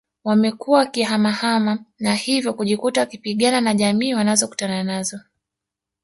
Wamekuwa wakihamahama na hivyo kujikuta wakipigana na jamii wanazokutana nazo